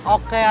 oke atau tidak